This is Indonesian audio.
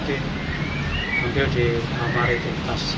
sampai di hamar itu